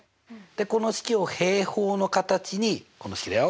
この式を平方の形にこの式だよ